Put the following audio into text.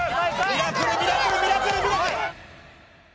ミラクルミラクルミラクル！